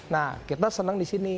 nah kita senang di sini